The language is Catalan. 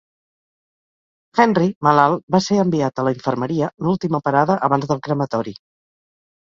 Henry, malalt, va ser enviat a la infermeria, l'última parada abans del crematori.